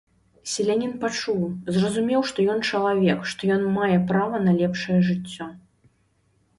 Селянін пачуў, зразумеў, што ён чалавек, што ён мае права на лепшае жыццё.